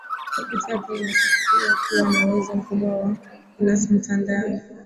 kompyuta yako inatakiwa kuwa na uwezo mkubwa wa kunasa mtandao